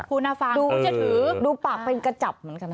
น่าฟังดูจะถือดูปากเป็นกระจับเหมือนกันนะ